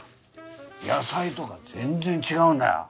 野菜とか全然違うんだよ。